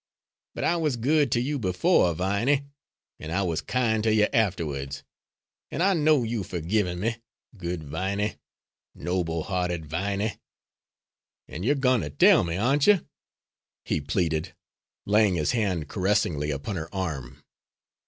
But I was good to you before, Viney, and I was kind to you afterwards, and I know you've forgiven me, good Viney, noble hearted Viney, and you're going to tell me, aren't you?" he pleaded, laying his hand caressingly upon her arm.